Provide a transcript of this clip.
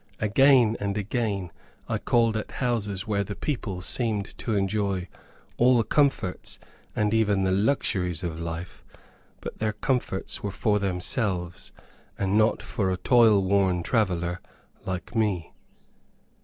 Again and again I called at houses where the people seemed to enjoy all the comforts and even the luxuries of life; but their comforts were for themselves and not for a toil worn traveller like me.